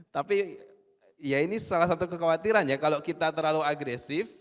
tapi ya ini salah satu kekhawatiran ya kalau kita terlalu agresif